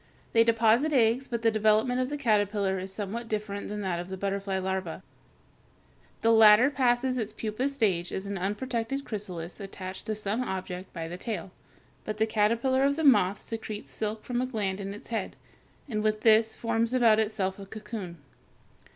They deposit eggs, but the development of the caterpillar is somewhat different from that of the butterfly larva. The latter passes its pupa stage as an unprotected chrysalis attached to some object by the tail (Fig. 240), but the caterpillar of the moth secretes silk from a gland in its head, and with this forms about itself a cocoon.